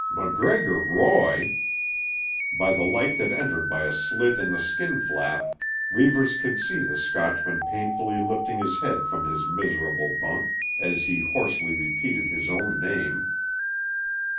'" "MacGregor Roy!" By the light that entered by a slit in the skin flap Reivers could see the Scotchman painfully lifting his head from his miserable bunk, as he hoarsely repeated his own name.